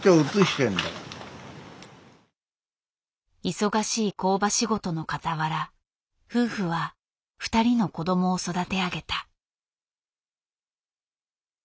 忙しい工場仕事のかたわら夫婦は２人の子どもを育て上げた。